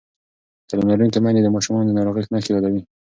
تعلیم لرونکې میندې د ماشومانو د ناروغۍ نښې یادوي.